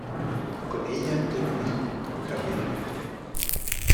Con ella tuvo un hijo, Javier.